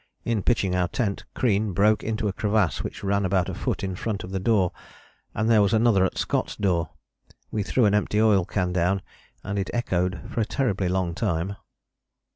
In pitching our tent Crean broke into a crevasse which ran about a foot in front of the door and there was another at Scott's door. We threw an empty oil can down and it echoed for a terribly long time."